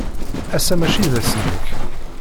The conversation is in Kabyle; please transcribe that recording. Ass-a maci d ass-nnek.